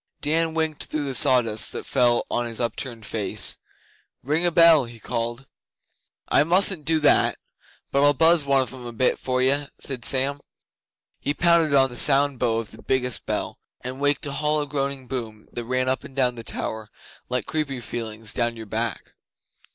Dan winked through the sawdust that fell on his upturned face. 'Ring a bell,' he called. 'I mustn't do that, but I'll buzz one of 'em a bit for you,' said Sam. He pounded on the sound bow of the biggest bell, and waked a hollow groaning boom that ran up and down the tower like creepy feelings down your back.